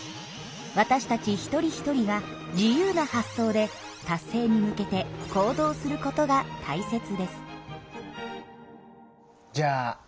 私たち一人一人が自由な発想で達成に向けて行動することがたいせつです。